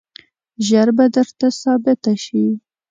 ژر به درته ثابته شي.